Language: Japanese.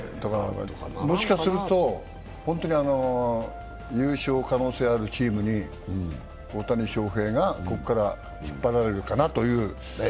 もしかすると本当に優勝可能性あるチームに大谷翔平がここから引っ張られるかなという。